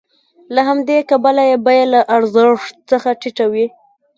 له همدې کبله یې بیه له ارزښت څخه ټیټه وي